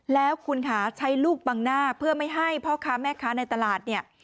แล้วคุณค่ะใช้ลูกบังหน้าเพื่อไม่ให้พ่อค้าแม่ค้าในตลาดเนี่ย